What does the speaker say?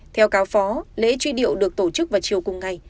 theo cáo phó lễ truy điệu được tổ chức vào chiều cùng ngày